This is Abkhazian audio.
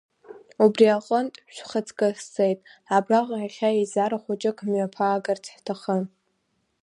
Убри аҟынтә, шәхаҵкы сцеит, абраҟа иахьа еизара хәыҷык мҩаԥаагарц ҳҭахын…